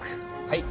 はい。